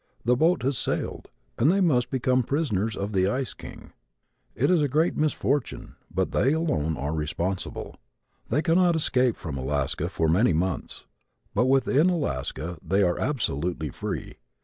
The boat has sailed and they must become prisoners of the ice king. It's a great misfortune but they alone are responsible. They cannot escape from Alaska for many months but within Alaska they are absolutely free.